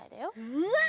うわ！